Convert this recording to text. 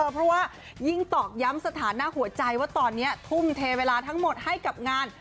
เพราะว่ายิ่งตอกย้ำสถานะหัวใจว่าตอนนี้ทุ่มเทเวลาทั้งหมดให้กับงาน